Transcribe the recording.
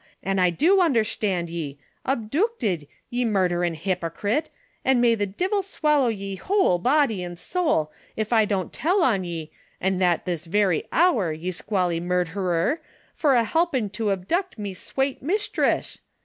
an' I do undershtand ye ; abdoocted, ye murdherin' hypocret, an' may the divil swallow me whoul body an' sowl ef I don't tell on ye, an' that this very hour, ye squally murdherer, for ahelpin' to abdooct me swate mislitress